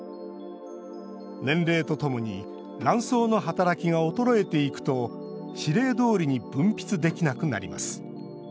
年齢とともに卵巣の働きが衰えていくと指令どおりに分泌できなくなります。